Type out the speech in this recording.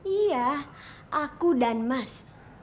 iya aku dan mas